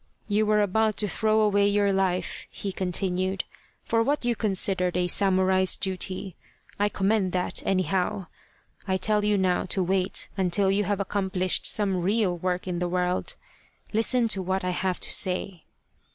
" You were about to throw away your life," he continued, " for what you considered a samurai's duty. I commend that, anyhow ! I tell you now to wait until you have accomplished some real work in the world. Listen to what I have to say.